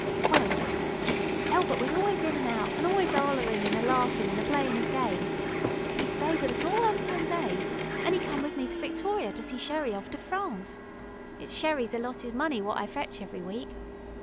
Well, dearie, Elbert was always in an' out, an' always a hollerin' an' a laughin' an' a playin' 'is game. 'E stayed with us all them ten days, an' 'e come with me to Victoria, to see Sherrie off to France. It's Sherrie's allotted money what I fetch every week.